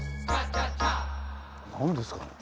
何ですかね？